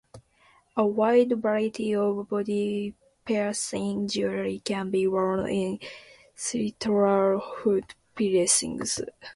A wide variety of body piercing jewelry can be worn in clitoral hood piercings.